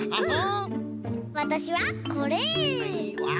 わたしはこれ！わ！